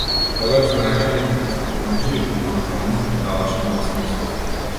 Тогаш знаеше дека ќе се понижи, но на тоа му придаваше нова смисла.